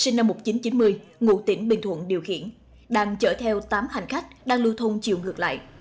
sinh năm một nghìn chín trăm chín mươi ngụ tỉnh bình thuận điều khiển đang chở theo tám hành khách đang lưu thông chiều ngược lại